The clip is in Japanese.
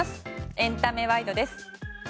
エンタメワイドです。